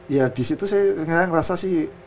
ya disitu saya ngerasa sih